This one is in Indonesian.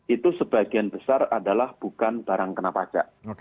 itu sebagian besar adalah bukan barang kena pajak